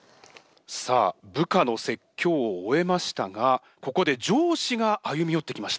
さあ部下の説教を終えましたがここで上司が歩み寄ってきました。